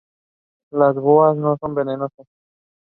The temple is dedicated to Ganesha as well as Durga and Rama.